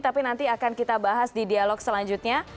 tapi nanti akan kita bahas di dialog selanjutnya